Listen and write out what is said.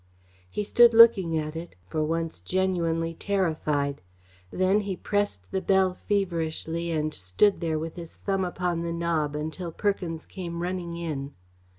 He stood looking at it, for once genuinely terrified. Then he pressed the bell feverishly, and stood there with his thumb upon the knob until Perkins came running in.